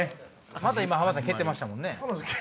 また浜田さん蹴ってましたもんね。